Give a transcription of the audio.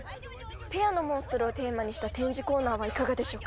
ペアのモンストロをテーマにした展示コーナーはいかがでしょうか？